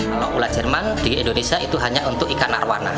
kalau ulat jerman di indonesia itu hanya untuk ikan arwana